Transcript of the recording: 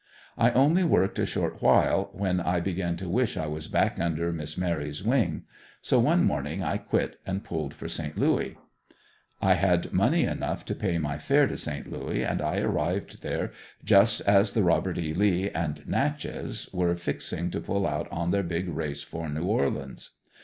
I only worked a short while when I began to wish I was back under "Miss Mary's" wing. So one morning I quit and pulled for Saint Louis. I had money enough to pay my fare to Saint Louis and I arrived there just as the "Robert E. Lee" and "Natchez" were fixing to pull out on their big race for New Orleans.